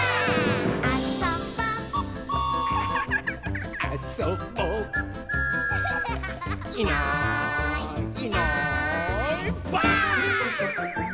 「あそぼ」「あそぼ」「いないいないばあっ！」